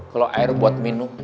kalo air buat minum